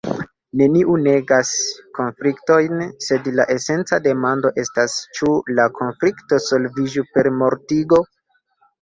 Neniu negas konfliktojn, sed la esenca demando estas, ĉu la konflikto solviĝu per mortigo?